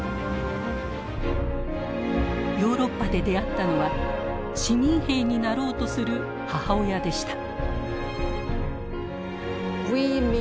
ヨーロッパで出会ったのは市民兵になろうとする母親でした。